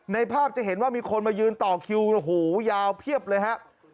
ในภาพจะเห็นว่ามีคนมายืนต่อคิวโอ้โหยาวเพียบเลยฮะ